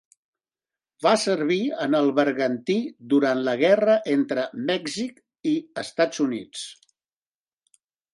Va servir en el bergantí durant la guerra entre Mèxic i Estats Units.